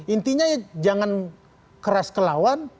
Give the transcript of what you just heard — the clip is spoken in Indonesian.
intinya ya jangan keras ke lawan